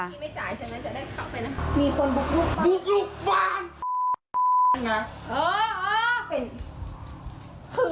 บุกลูกฝั่ง